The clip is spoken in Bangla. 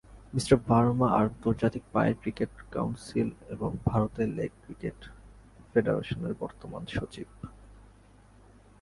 মিঃ ভার্মা আন্তর্জাতিক পায়ের ক্রিকেট কাউন্সিল এবং ভারতের লেগ ক্রিকেট ফেডারেশনের বর্তমান সচিব।